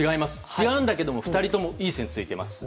違うんだけれども２人ともいい線ついてます。